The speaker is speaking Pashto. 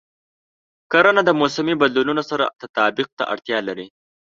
کرنه د موسمي بدلونونو سره تطابق ته اړتیا لري.